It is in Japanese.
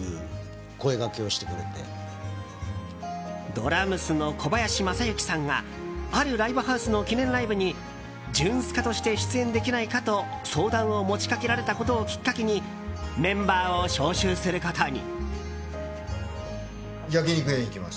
ドラムスの小林雅之さんがあるライブハウスの記念ライブにジュンスカとして出演できないかと相談を持ち掛けられたことをきっかけにメンバーを招集することに。